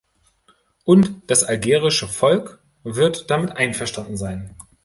Und das algerische Volk wird damit einverstanden sein.